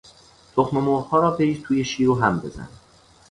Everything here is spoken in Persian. تخم مرغها را بریز توی شیر و هم بزن.